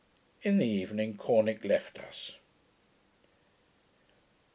In the evening Corneck left us.